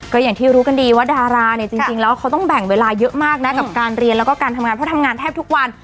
ก็อย่างที่รู้กันดีว่าดาราเนี่ยจริงแล้วเขาต้องแบ่งเวลาเยอะมากนะกับการเรียนแล้วก็การทำงานเพราะทำงานแทบทุกวัน